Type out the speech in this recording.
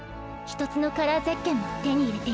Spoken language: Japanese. １つのカラーゼッケンも手に入れていない。